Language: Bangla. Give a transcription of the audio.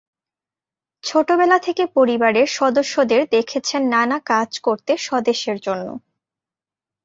ছোটবেলা থেকে পরিবারের সদস্যদের দেখেছেন নানা কাজ করতে স্বদেশের জন্য।